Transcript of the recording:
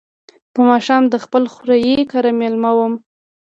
په ماښام د خپل خوریي کره مېلمه وم.